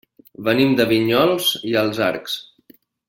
Venim de Vinyols i els Arcs.